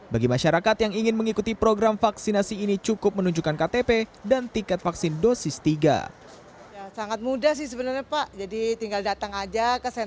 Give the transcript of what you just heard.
bagi masyarakat yang ingin mengikuti program vaksinasi ini cukup menunjukkan ktp dan tiket vaksin dosis tiga